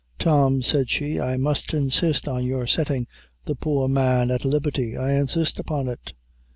"Tom," said she, "I must insist on your settin' the poor man at liberty; I insist upon it.